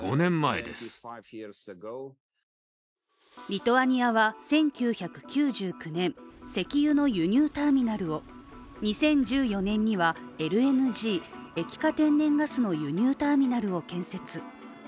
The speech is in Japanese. リトアニアは１９９９年、石油の輸入ターミナルを２０１４年にはＬＮＧ、液化天然ガスの輸入ターミナルを建設。